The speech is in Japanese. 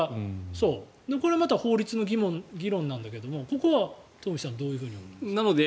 これはまた法律の議論なんだけどここはトンフィさんどう思います？